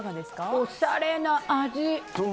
おしゃれな味！